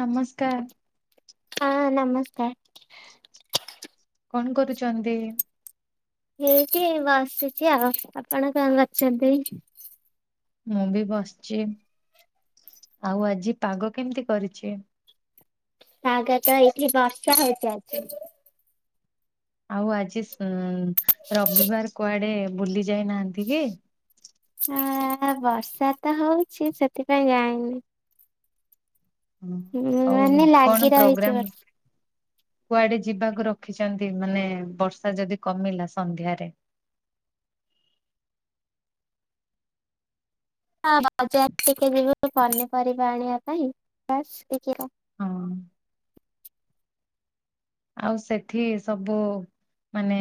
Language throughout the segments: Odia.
ନମସ୍କା ହଁ ନମସ୍କାର। କଣ କରୁଛନ୍ତି? ହେଇଟି ବସିଛି ଆଉ ଆପଣ କଣ କରୁଛନ୍ତି? ମୁଁ ବି ବସିଛି ଆଉ ଆଜି ପାଗ କେମିତି କରିଛି? ପାଗ ତ ଏଇଠି ବର୍ଷା ହେଇଛି ଆଜି ଆଉ ଆଜି ଉ ରବିବାର କୁଆଡେ ବୁଲି ଯାଇନାହାନ୍ତି କି? ଆ ବର୍ଷା ତ ହଉଛି ସେଥିପାଇଁ ଯାଇନି ହୁଁ ଆଉ ମାନେ କଣ ଲାଗି ରହିଛି ପ୍ରୋଗ୍ରାମ। କୁଆଡେ ଯିବାକୁ ରଖିଛନ୍ତି ମାନେ ବର୍ଷା ଯଦି କମିଲା ସନ୍ଧ୍ୟାରେ ହଁ ବଜାର ଟିକେ ଯିବୁ ପନିପରିବା ଆଣିବା ପାଇଁ [unintelligible] ହଁ। ଆଉ ସେଠି ସବୁ ମାନେ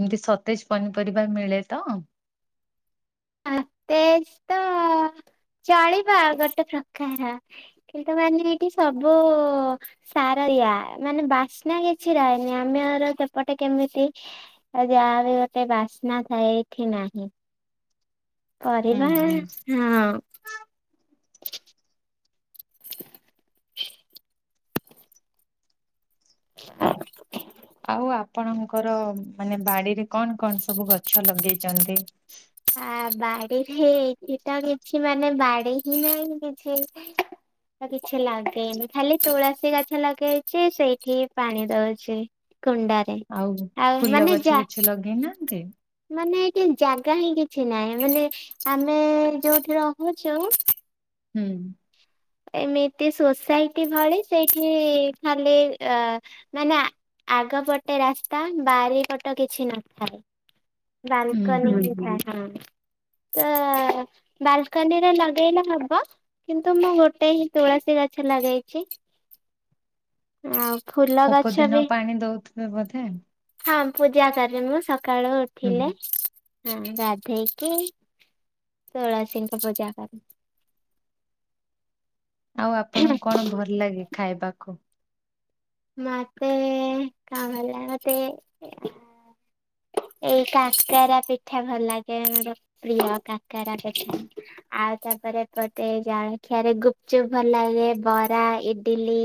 ଏମତି ସତେଜ ପନିପରିବା ମିଳେ ତ [unintelligible] ଚଳିବ ଗୋଟେ ପ୍ରକାର। କିନ୍ତୁ ମାନି ହେଇକି ସବୁ ସାର ୟା ମାନେ ବାସ୍ନା କିଛି ରହେନି ଆମର ସେପଟେ କେମିତି ଏ ଗାଁ ରେ ଯେତେ ବାସ୍ନା ଥାଏ ଏଠି ନାହିଁ। ହୁଁ ପରିବା ହୁଁ ହଁ। ଆଉ ଆପଣଙ୍କର ମାନେ ବାଡିରେ କଣ କଣ ସବୁ ଗଛ ଲଗେଇଛନ୍ତି? ଆ ବାଡିରେ ଏଇଟା କିଛି ମାନେ ବାଡି ହିଁ ନାହିଁ କିଛି। ତ କିଛି ଲାଗେଇନି ଖାଲି ତୁଳସୀ ଗାଛ ଲଗେଇଛି ସେଇଠି ପାଣି ଦଉଛି। କୁଣ୍ଡା ଆଉ ଫୁଲ ଗଛ କିଛି ଲଗେଇନାହାନ୍ତି? ମାନେ ଏଠି ଜାଗା ହିଁ କିଛି ନାହିଁ ମାନେ ଆମେ ଯୋଉଠି ରହୁଛୁ ହୁଁ। ଏମିତି ସୋସାଇଟି ଭଳି ସେଇଠି ଖାଲି ଅ ମାନେ ଆ ଆଗ ପଟେ ରାସ୍ତା ବାରି ପଟ କିଛି ନଥାଏ। ହୁଁ ହୁଁ ବାଲକନିକି ଫ୍ୟାନ। ତ ବାଲକୁନିରେ ଲଗେଇଲେ ହବ କିନ୍ତୁ ମୁଁ ଗୋ ଗୋଟେ ହିଁ ତୁଳସୀ ଗଛ ଲଗେଇଛି। ଉ ଫୁଲ ଗଛ ବି ସବୁଦିନ ପାଣି ଦଉଥିବେ ବୋଧେ ହଁ ପୂଜା କରେ ମୁଁ ସକାଳୁ ଉଠିଲେ ହୁଁ। ହଁ ଗାଧେଇକି ତୁଳସୀଙ୍କ ପୂଜା କରେ। ଆଉ ଆପଣଙ୍କୁ କଣ ଭଲ ଲାଗେ ଖାଇବାକୁ? ମତେ କଣ ଭଲ ଲାଗେ ମତେ ଏଇ କାକରା ପିଠା ଭଲ ଲାଗେ ମୋର ପ୍ରିୟ କାକରା ପିଠା। ଆଉ ତାପରେ ପତେ ଜାଳଖିଆରେ ଗୁପଚୁପ୍ ଭଲ ଲାଗେ ବରା ଇଡିଲି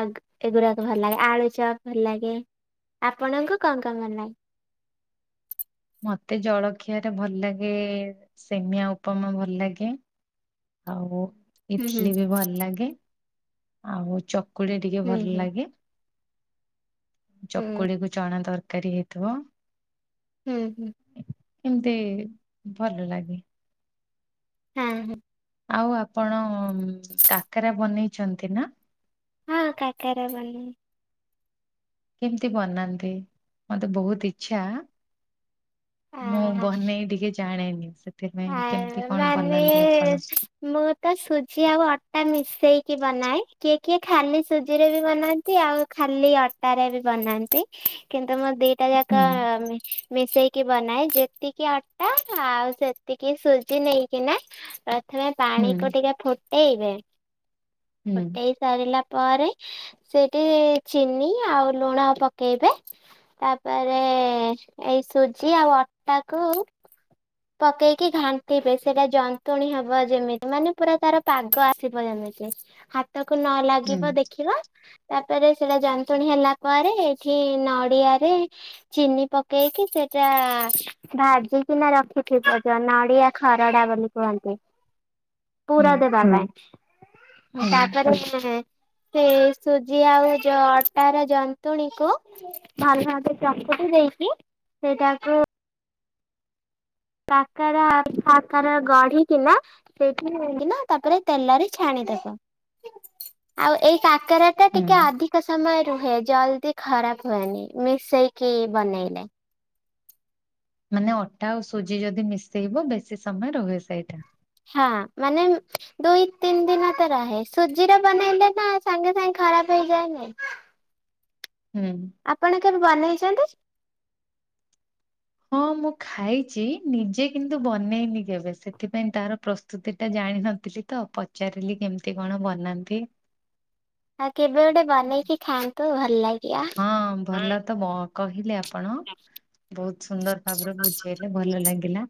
ଆଉ ଏଗୁଡାକ ଭଲ ଲାଗେ ଆଳୁ ଚପ ଭଲ ଲାଗେ। ଆପଣଙ୍କୁ କଣ କଣ ଭଲ ଲାଗେ? ମତେ ଜଳଖିଆରେ ଭଲ ଲାଗେ ସେମିଆ ଉପମା ଭଲ ଲାଗେ। ଆଉ ହୁଁ ହୁଁ ଇଟଲି ବି ଭଲ ଲାଗେ। ଆଉ ଚକୁଳି ଟିକେ ହୁଁ ଭଲ ହୁଁ। ଲାଗେ। ଚକୁଳି କୁ ଚଣା ତରକାରୀ ହେଇଥିବ। ହୁଁ ହୁଁ। ଏମିତି ଭଲ ଲାଗେ। ହଁ ହଁ। ଆଉ ଆପଣ କାକରା ବନେଇଛନ୍ତି ନା? ହଁ କାକାରା ବନ କେମତି ବନାନ୍ତି ମତେ ବହୁତ ଇଚଛା। ଆ ମୁଁ ବନେଇ ଟିକେ ଜାଣେନି ଆ ସେଥିପାଇଁ କେମିତି କଣ ମାନେ ବନାନ୍ତି ଆପଣ? ମୁଁ ତ ସୁଜି ଆଉ ଅଟା ମିଶେଇକି ବନାଏ। କିଏ କିଏ ଖାଲି ସୁଜି ରେ ବି ବନାନ୍ତି। ଆଉ ଖାଲି ଅଟାରେ ବି ବନାନ୍ତି କିନ୍ତୁ ମୋ ଦି ଟା ହୁଁ ଯାକ ମିଶେଇକି ବନାଏ ଯେତିକି ଅଟା ଆଉ ଟିକେ ସୁଜି ନେଇକିନା ପ୍ରଥମେ ହୁଁ ପାଣିକୁ ଟିକେ ଫୁଟେଇବେ ହୁଁ ଫୁଟେଇ ସାରିଲା ପରେ ସେଇଠି ଚିନି ଆଉ ଲୁଣ ପକେଇବେ। ତାପରେ ଏଇ ସୁଜି ଆଉ ଅଟା କୁ ପକେଇକି ଘାଣ୍ଟିବେ ସେଇଟା ଯନ୍ତୁଣୀ ହବ ଯେମିତି ମାନେ ପୁରା ତାର ପାଗ ଆସିବ ଯେମିତି। ହାତକୁ ନ ହୁଁ ଲାଗିବ ଦେଖିବା ତାପରେ ସେଇଟା ଯନ୍ତୁଣୀ ହେଲା ପରେ ଏଠି ନଡିଆରେ ଚିନି ପକେଇକି ସେଇଟା ଭାଜିକିନା ରଖ [unintelligible] ନଡିଆ ଖରଡା ବୋଲି କୁହନ୍ତି ହୁଁ ପୁରା ଦେବାର ନାଇ ହୁଁ ମୁ ତାପରେ ସେ ସୁଜି ଆଉ ଯୋଉ ଅଟାର ଜନ୍ତୁଣୀ କୁ ଭଲ [unintelligible] ଦେଇଛିି ସେଇଟାକୁ କାକାରା ପାକାରା ଗଢି କି ନା ସେଇଠି ନେଇକିନା ତାପରେ ତେଲ ଛାଣିଦବ ଆଉ ଏଇ କାକରା ଏଟା ଟିକେ ହୁଁ। ଅଧିକ ସମୟ ରୁହେ ଜଲ୍ଦି ଖରାପ ହୁଏନି ମିଶେଇକି ବନେଇଲେ। ମାନେ ଅଟା ଆଉ ସୁଜି ଯଦି ମିଶେଇବ ବେଶି ସମୟ ରହେ ସେଇଟା? ହଁ ମାନେ ଦୁଇ ତିନି ଦିନ ତ ରହେ ସୁଜିରେ ବନେଇଲେ ନା ସାଙ୍ଗେ ସାଙ୍ଗେ ଖରାପ ହେଇଯାଏନି? ହୁଁ। ଆପଣ କେବେ ବନେଇଛନ୍ତି? ହଁ ମୁଁ ଖାଇଚି ନିଜେ କିନ୍ତୁ ବନେଇନି କେବେ ସେଥିପାଇଁ ତାର ପ୍ରସ୍ତୁ ସେତେଟା ଜାଣିିନଥିଲି ତ ପଚାରିଲି କେମିତି କଣ ବନାନ୍ତି? ଆଉ କେବେ ଗୋଟେ ବନେଇକି ଖାଆନ୍ତୁ ଭଲ ଲାଗେ। ହଁ ଭଲତ ବ କହିଲେ ଆପଣ ବହୁତ ସୁନ୍ଦର ଭାବରେ ବୁଝେଇଲେ। ଭଲ ଲାଗିଲା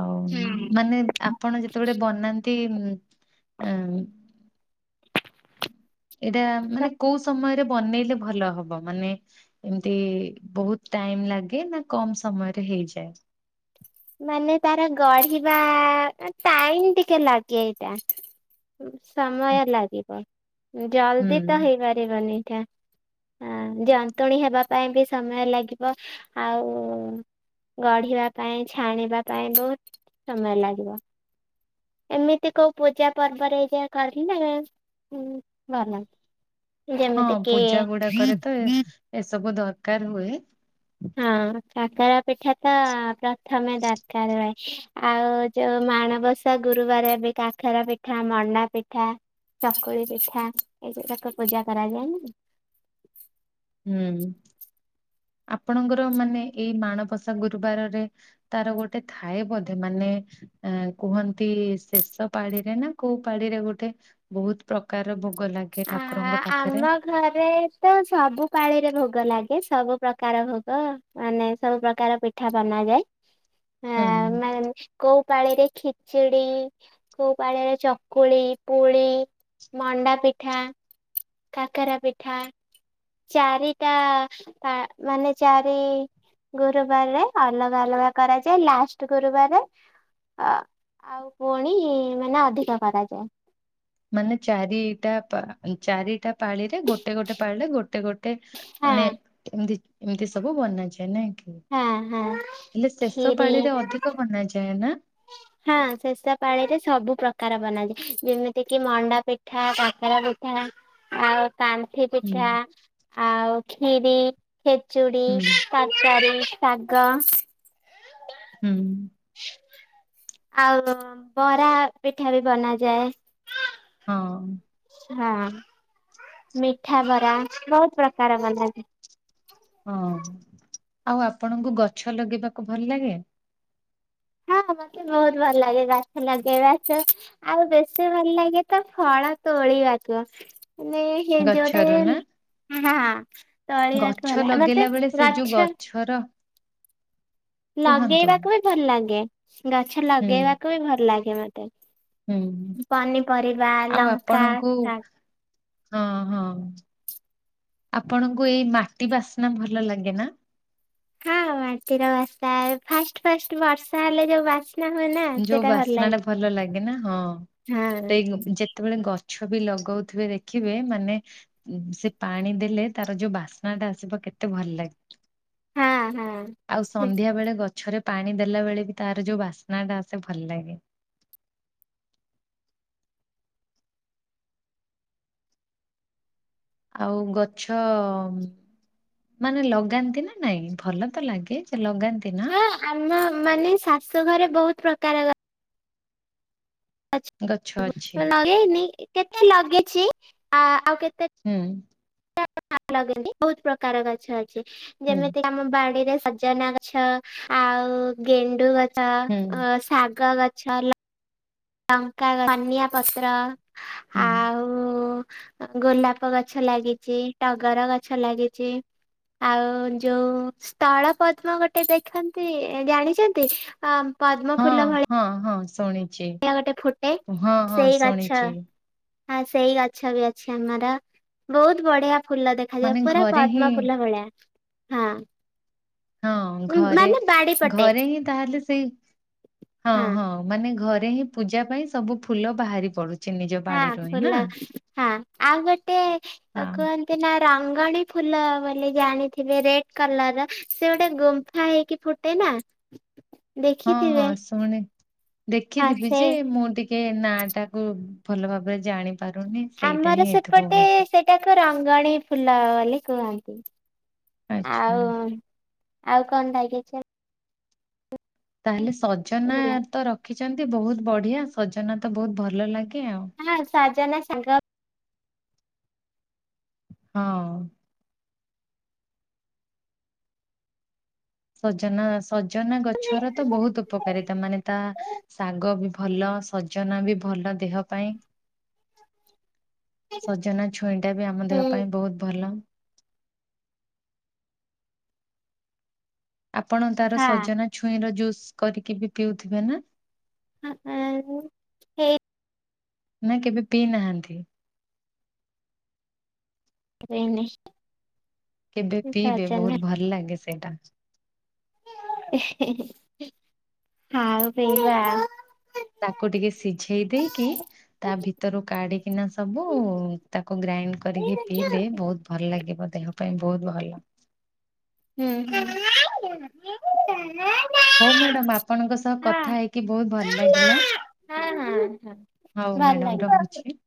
ଆଉ ହୁଁ। ମାନେ ଆପଣ ଯେତେବେଳେ ବନାନ୍ତି ଏଇଟା ମାନେ କୋଉ ସମୟରେ ବନେଇଲେ ଭଲ ହବ ମାନେ ଏମିତି ବହୁତ ଟାଇମ୍ ଲାଗେ ନା କମ୍ ସମୟରେ ହେଇଯାଏ। ମାନେ ତାର ଗଢ଼ିବା ଟାଇମ ଟିକେ ଲାଗେ ଏଇଟା। ସମୟ ଲାଗିବ ହୁଁ ଜଲ୍ଦି ତ ହେଇପାରିବନି ଏଇଠା। ହଁ ଜନ୍ତୁଳି ହେବା ପାଇଁ ବି ସମୟ ଲାଗିବ ଆଉ ଗଢ଼ିବା ପାଇଁ ଛାଣିବା ପାଇଁ ବହୁତ ସମୟ ଲାଗିବ। ଏମିତି କୋଉ ପୂଜା ପର୍ବରେ ଯା କହିଲେ ଭଲ। ହଁ ଯେମିତିକି। ପୂଜା ଗୁଡାକରେ ତ ଏ- ଏସବୁ ଦରକାର ହୁଏ। ହଁ କାକରା ପିଠା ଟା ପ୍ରଥମେ ଦରକାର ହୁଏ ଆଉ ଯୋଉ ମାଣବସା ଗୁରୁବାର ଏବେ କାକରା ପିଠା ମଣ୍ଡା ପିଠା। ଚକୁଳି ପିଠା ଏଗୁଡାକ ପୂଜା କରାଯାଏନି କି? ହୁଁ। ଆପଣଙ୍କର ମାନେ ଏ ମାଣବସା ଗୁରୁବାରରେ ତାର ଗୋଟେ ଥାଏ ବୋଧେ ମାନେ ଆ କୁହନ୍ତି ଶେଷ ପାଳିରେ ନା କୋଉ ପାଳିରେ ଗୋଟେ ବହୁତ୍ ପ୍ରକାର ଭୋଗ ଲାଗେ ଆ ଠାକୁରଙ୍କ ପାଖରେ। ଆମ ଘରେ ତ ସବୁ ପାଳିରେ ଭୋଗ ଲାଗେ ସବୁ ପ୍ରକାର ଭୋଗ। ମାନେ ସବୁ ପ୍ରକାର ପିଠା ବନାଯାଏ। ହୁଁ। ହଁ ମାନେ କୋଉ ପାଳିରେ ଖିଚିଡି। କୋଉ ପାଳିରେ ଚକୁଳି, ପୁଳି, ମଣ୍ଡା ପିଠା କାକରା ପିଠା। ଚାରିଟା ଆ ମାନେ ଚାରି ଗୁରୁବାରରେ ଅଲଗା ଅଲଗା କରାଯାଏ ଲାଷ୍ଟ ଗୁରୁବାରରେ ଅ ଆଉ ପୁଣି ମାନେ ଅଧିକ କରାଯାଏ। ମାନେ ଚାରିଟା ପା ଚାରିଟା ପାଳିରେ ଗୋଟେ ଗୋଟେ ପାଳିରେ ଗୋଟେ ଗୋଟେ ମାନେ ହଁ ଏମିତି ଏମିତି ସବୁ ବନାଯାଏ ନାଇଁ କି? ହୁଁ ହଁ ହଁ ହେଲେ ଶେଷ କ୍ଷୀରି ପାଳିରେ ଅଧିକ ବନାଯାଏ ନା। ହଁ ଶେଷ ପାଳିରେ ସବୁ ପ୍ରକାର ବନାଯାଏ ଯେମିତି କିି ମଣ୍ଡା ପି ପିଠା କାକରା ପିଠା ଆଉ କାନ୍ଥିି ହୁଁ ପିଠା ଆଉ କ୍ଷୀରି ଖେଚୁଡ଼ି ହୁଁ ତରକାରୀ ଶାଗ ହୁଁ। ଆଉ ବରା ପିଠା ବି ବନାଯାଏ। ହଁ। ହଁ ମିଠା ବରା ବହୁତ ପ୍ରକାର ବଣ୍ଟାଯାଏ। ହଁ ଆଉ ଆପଣଙ୍କୁ ଗଛ ଲଗେଇବାକୁ ଭଲ ଲାଗେ। ହଁ ମତେ ବହୁତ ଭଲ ଲାଗେ ଗଛ ଲଗେଇବାକୁ। ଆଉ ବେଶୀ ଭଲ ଲାଗେ ତ ଫଳ ତୋଳିବାକୁ ମାନେ ଇଏ ଯୋଉଟା ଗଛରୁ ନା କହିଲା। ହଁ ଗଛ ତୋଳିବାକୁ ହେଲା ମତେ ଲଗେଇଲା ବେଳେ ସେ ଯୋଉ ଗଛ ଗଛର କୁହନ୍ତୁ ଲଗେଇବାକୁ ବି ଭଲ ଲାଗେ ଗଛ ହୁଁ ଲଗେଇବାକୁ ବି ଭଲ ଲାଗେ ମତେ। ହୁଁ ପନିପରିବା, ଆଉ ଲଙ୍କା, ଆପଣଙ୍କୁ ଶାଗ ହଁ ହଁ ଆପଣଙ୍କୁ ଏଇ ମାଟି ବାସ୍ନା ଭଲ ଲାଗେ ନା? ହଁ ମାଟିର ବାସା ଫାଷ୍ଟ ଫାଷ୍ଟ ବର୍ଷା ହେଲେ ଯୋଉ ବାସ ଯୋଉ ବାସ୍ନା ଟା ଭଲ ଲାଗେ ନା ହଁ ହଁ ଟେଗ ଯେତ କେତେବେଳେ ଗଛ ବି ଲଗୋଉଥିବେ ଦେଖିବେ ମାନେ ଉ ସେ ପାଣି ଦେଲେ ତାର ଯୋଉ ବାସ୍ନା ଟା ଆସିବ କେତେ ଭଲ ଲାଗ। ହଁ ହଁ ଆଉ ସନ୍ଧ୍ୟା ବେଳେ ଗଛରେ ପାଣି ଦେଲା ବେଳେ ବି ତାର ଯୋଉ ବାସ ନାଁଟା ଆସେ ଭଲ ଲାଗେ। ଆଉ ଗଛ ମାନେ ଲଗାନ୍ତି ନା ନାଇଁ ଭଲ ତ ଲାଗେ ସେ ଲଗାନ୍ତି ନା। ହଁ ଆମ ମାନେ ଶାଶୁ ଘରେ ବହୁତ ପ୍ରକାର ଗଛ ଗଛ ଆଛ ଅଛି। ଲଳୋଇନି କେତେ ଲଗେଇଛି ଆ ଆଉ କେତେ ହୁଁ ଆପ ଲଗାନ୍ତି ବହୁତ ପ୍ରକାର ଗଛ ଅଛି ହୁଁ ଯେମିତି ଆମ ବାଡିରେ ସଜନା ଗ ଛ ଆଉ ଗେଣ୍ଡୁ ଗଛ ହୁଁ ଶାଗ ଗଛ ଲଗ ଟଙ୍କା ଧନିଆଁ ପତ୍ର ହୁଁ ଆଉ ଉ ଏ ଗୋଲାପ ଗଛ ଲାଗିଛି ଟଗର ଗଛ ଲାଗିଛି। ଆଉ ଯୋଉ ସ୍ଥଳ ପଦ୍ମ ଗୋଟେ ଦେଖନ୍ତି ଜାଣିଛନ୍ତି ଆମ ହଁ ହଁ ହଁ ଶୁଣିଛି ଗୋଟେ ଫୁଟେ ହଁ ହଁ ସେଇ ଗଛ ଶୁଣିଛି। ହଁ ସେଇ ଗଛ ବି ଅଛି ଆମର ବହୁତ ବଢିଆ ଫୁଲ ଦେଖ ମାନେ ଖାଲିପୁରା ଘରେ ହିଁ ପଦ୍ମଫୁଲ ଭଳିଆ ହଁ। ହଁ ଉଁ, ଘରେ ମାନେ ବାଡି ପଟେ। ଘରେ ହିଁ ତାହେଲେ ସେଇ ହଁ ହଁ ମାନେ ଘରେ ହିଁ ପୂଜା ପାଇଁ ସବୁ ଫୁଲ ବାହାରି ପଡୁଛି। ନିଜ ହଁ ବାଡିରୁ ହିଁ ନା। ଫୁଲ ହଁ ଆଉ ଗୋଟେ ହଁ କୁହନ୍ତି ସେନା ରଙ୍ଗଣୀ ଫୁଲ ବୋଲି ଜାଣିଥିବେ ରେଡ କଲର ର ସେ ଗୋଟେ ଗୁମ୍ଫା ହେଇକି ଫୁଟ ଏଇ ନା? ହଁ ହଁ ଦେଖିଥିବେ ଶୁଣିଚି ହଁ ଦେଖିଥିବି ସେ ଯେ ମୁଁ ଟିକ କେ ନା ଟା କୁ ଭଲ ଭାବରେ ଜାଣି ପାରୁନି। ସେଇଟା ହିଁ ଆମର ହେଇଥିବ ସେପଟେ ବୋଧେ। ସେଟ ଏଟାକୁ ରଙ୍ଗଣୀ ଫୁଲ ବୋଲି କୁହନ୍ତି ଆଚ୍ଛା ଆଉ ଆଉ କଣ ଲାଗେଛ? ତାହେଲେ ସଜନା ହଁ ତ ରଖିଛନ୍ତି ବହୁତ ବଢିଆ ସଜନା ତ ବହୁତ ଭଲ ଲାଗେ ଆଉ। ହଁ ସଜନା ସାଙ୍ଗତ୍ ହଁ ସଜନା ସଜନା ଗଛର ତ ବହୁତ ଉପକାରିତା ମାନେ ତା ଶାଗ ବି ଭଲ ସଜନା ବି ଭଲ ଦେହ ପାଇଁ। ସଜନା ଛୁଇଁ ଟା ବି ଆମ ଦେହ ହୁଁ। ପାଇଁ ବହୁତ ଭଲ। ଆପଣ ତାର ସଜନା ଛୁଇଁ ର ଜୁସ୍ କରିକି ବି ପିଉଥିବେ ନା? ହ [unintelligible] ନା କେବେ ପିଇ ନାହାଁନ୍ତି? ପିଇନି କେବେ ପିଇବେ ବହୁତ ଭଲ ଲାଗେ ସେଇଟା। ହଁଉ ପିଇବା ତାଙ୍କୁ ଟିକେ ସିଝେଇ ଦେଇକି ତା ଭିତରୁ କାଢିକି ରଖିକିନା ସବୁ ତାକୁ ଗ୍ରାଇଣ୍ଡ କରିକି ପିଇବେ ବହୁତ ଭଲ ଲାଗିବ ଦେହ ପାଇଁ ବହୁତ୍ ଭଲ। ହୁଁ। ହଉ ମ୍ୟାଡାମ ଆପଣଙ୍କ ସହ କଥା ହେଇକି ବହୁତ ଭଲ ଲାଗିଲା। ହଉ ମାଡ଼ାମ ରହୁଛି।